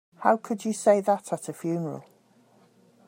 How could you say that at the funeral?